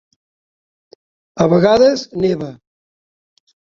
A vegades neva.